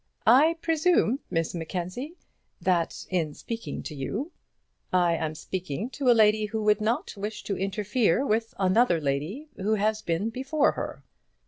"I presume, Miss Mackenzie, that in speaking to you, I am speaking to a lady who would not wish to interfere with another lady who has been before her.